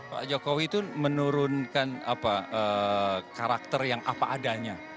pak jokowi itu menurunkan karakter yang apa adanya